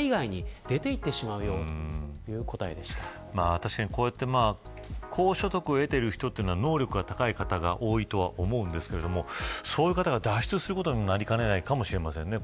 確かに、こうやって高所得を得ている人は、能力が高い方が多いと思うんですがそういう方が脱出することになりかねないかもしれませんね。